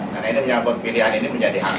karena ini menyebut pilihan ini menjadi hanker